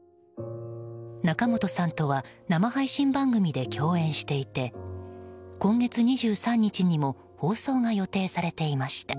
仲本さんとは生配信番組で共演していて今月２３日にも放送が予定されていました。